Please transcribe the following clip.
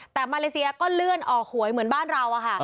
แต่มาเลเซียก็เลื่อนออกหวยเหมือนบ้านเรา